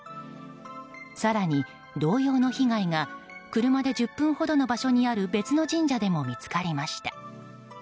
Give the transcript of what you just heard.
更に、同様の被害が車で１０分ほどの場所にある別の神社でも見つかりました。